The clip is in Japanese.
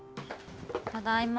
ただいま。